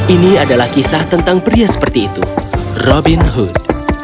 ini adalah kisah tentang pria seperti itu robin hood